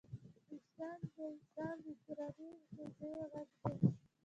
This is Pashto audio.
وجدان د انسان د دروني قاضي غږ دی.